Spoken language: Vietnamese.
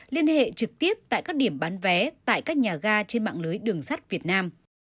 liên hệ trực tiếp tại các điểm bán vé tại các nhà ga trên mạng lưới đường sắt việt nam